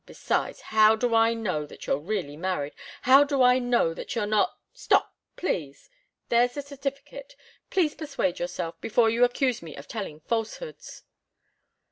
"Besides how do I know that you're really married? How do I know that you're not " "Stop, please! There's the certificate. Please persuade yourself, before you accuse me of telling falsehoods."